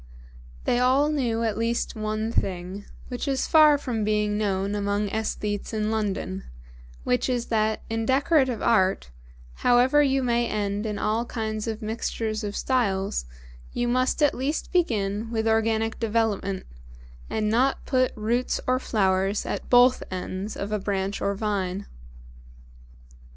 They all well knew at least one thing, which is far from being known among æsthetes in London, which is that in Decorative Art, however you may end in all kinds of mixtures of styles, you must at least begin with organic development, and not put roots or flowers at both ends of a branch or vine.